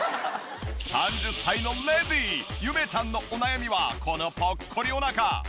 ３０歳のレディーゆめちゃんのお悩みはこのぽっこりお腹。